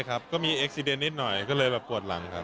ใช่ครับก็มีเอกซิเดนต์นิดหน่อยก็เลยแบบปวดหลังครับ